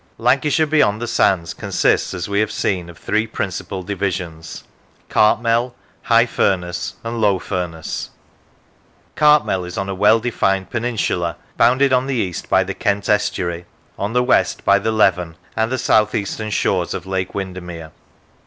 Lancashire beyond the sands consists, as we have seen, of three principal divisions: Cartmel, High Furness, and Low Furness. Cartmel is on a well defined peninsula, bounded on the east by the Kent estuary, on the west by the Lev en and the south eastern shores of Lake Windermere.